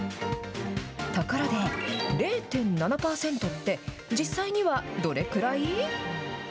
ところで、０．７％って、実際にはどれくらい？